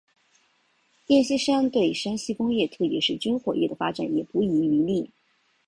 阎锡山对山西工业特别是军火业的发展也不遗余力。